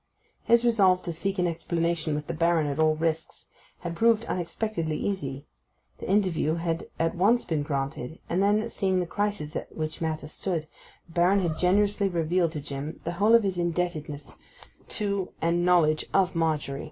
His resolve to seek an explanation with the Baron at all risks had proved unexpectedly easy: the interview had at once been granted, and then, seeing the crisis at which matters stood, the Baron had generously revealed to Jim the whole of his indebtedness to and knowledge of Margery.